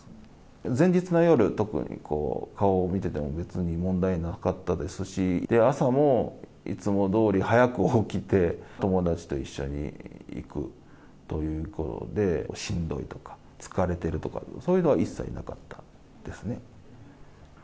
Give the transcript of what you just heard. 前日の夜、特に顔を見てても別に問題なかったですし、朝もいつもどおり早く起きて、友達と一緒に行くということで、しんどいとか、疲れてるとか、そういうのは一切なかったですね。